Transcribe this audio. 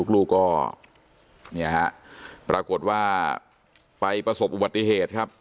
ลูกก็ปรากฏว่าไปประสบอุบัติเหตุครับ